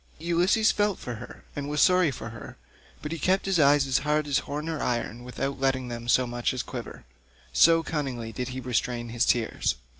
Ulysses felt for her and was sorry for her, but he kept his eyes as hard as horn or iron without letting them so much as quiver, so cunningly did he restrain his tears.